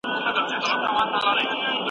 مور د ماشوم د تشناب عادتونه څاري.